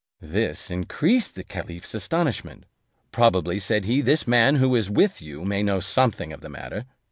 This increased the caliph's astonishment: "Probably," said he, "this man who is with you may know something of the matter."